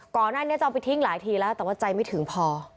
น่าจะเอาไปทิ้งหลายทีแล้วแต่ว่าใจไม่ถึงพอ